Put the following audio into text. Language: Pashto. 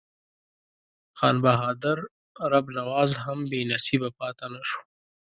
خان بهادر رب نواز هم بې نصیبه پاته نه شو.